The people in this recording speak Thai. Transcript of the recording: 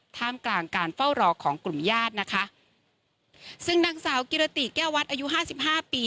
ท่ามกลางการเฝ้ารอของกลุ่มญาตินะคะซึ่งนางสาวกิรติแก้ววัดอายุห้าสิบห้าปี